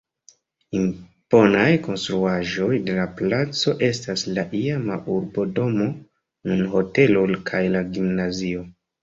Imponaj konstruaĵoj de la placo estas la iama urbodomo, nun hotelo kaj la gimnazio.